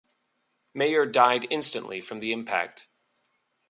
Mayer died instantly from the impact.